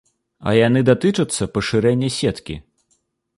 А яны датычацца пашырэння сеткі.